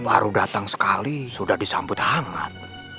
baru datang sekali sudah disambut hangat